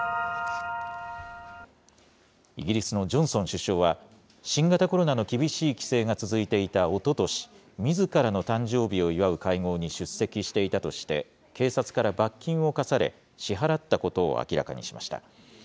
イギリスのジョンソン首相は、新型コロナの厳しい規制が続いていたおととし、みずからの誕生日を祝う会合に出席していたとして、警察から罰金を科され、支払ったことを明らかにしました。